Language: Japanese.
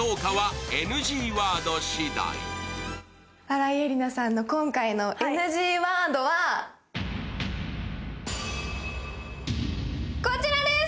新井恵理那さんの今回のＮＧワードはこちらです！